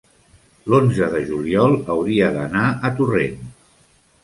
l'onze de juliol hauria d'anar a Torrent.